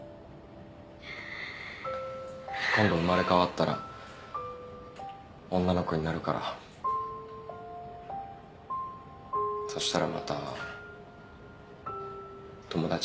今度生まれ変わったら女の子になるからそしたらまた友達になろうね。